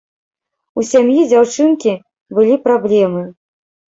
У сям'і дзяўчынкі былі праблемы.